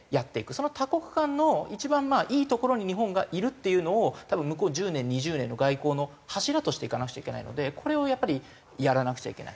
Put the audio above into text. その多国間の一番いいところに日本がいるっていうのを多分向こう１０年２０年の外交の柱としていかなくちゃいけないのでこれをやっぱりやらなくちゃいけない。